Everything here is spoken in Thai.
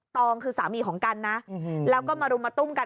ตองคือสามีของกันนะแล้วก็มารุมมาตุ้มกัน